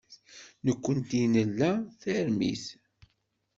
Nekkenti nla tarmit.